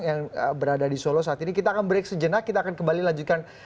yang berada di solo saat ini kita akan break sejenak kita akan kembali lanjutkan